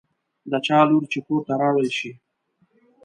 د چا لور چې کور ته راوړل شي.